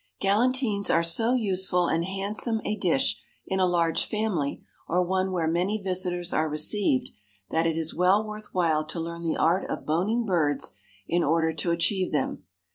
Galantines are so useful and handsome a dish in a large family, or one where many visitors are received, that it is well worth while to learn the art of boning birds in order to achieve them.